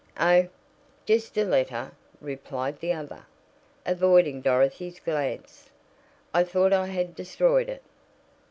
"Oh, just a letter," replied the other, avoiding Dorothy's glance. "I thought I had destroyed it."